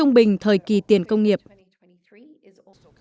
xu hướng tăng nhiệt của trái đất đang gần như không thể đảo ngược